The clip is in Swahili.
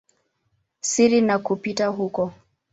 siri na kupita huko.